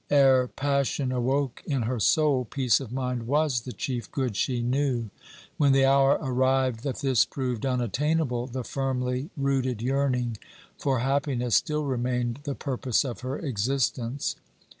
Ere passion awoke in her soul, peace of mind was the chief good she knew. When the hour arrived that this proved unattainable, the firmly rooted yearning for happiness still remained the purpose of her existence.